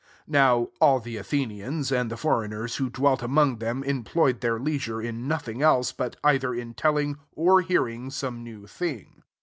21 (Now all the Athenians, ^d the foreigners, who dwelt among them, employed their leisure in nothing else, bat either in telling or hearing some new thing.)